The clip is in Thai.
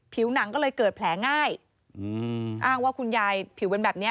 ผิวหนังก็เลยเกิดแผลง่ายอ้างว่าคุณยายผิวเป็นแบบเนี้ย